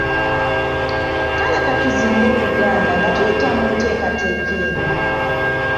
Kale ka tuzimbe Oluganda nga tuyita mu nteekateeka eno.